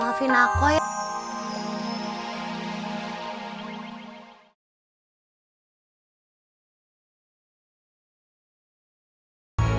iya ini tidak fair ini